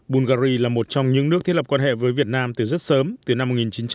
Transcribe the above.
bulgari là một trong những nước thiết lập quan hệ với việt nam từ rất sớm từ năm một nghìn chín trăm chín mươi